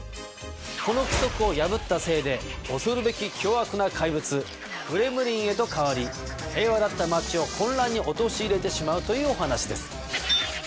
この規則を破ったせいで恐るべき凶悪な怪物グレムリンへと変わり平和だった町を混乱に陥れてしまうというお話です。